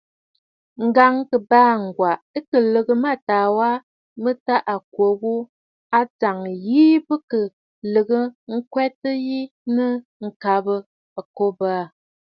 Ŋ̀gàŋkɨbàa Ŋgwa kɨ ghə̀ə lɨ̀gə mâtaa tâ à kwo ghu, a ajàŋə bɨ kɨ̀ lɔ̀ɔ̂ ǹtswètə̂ yi nɨ̂ ŋ̀kabə̀ ŋ̀kòbə̀.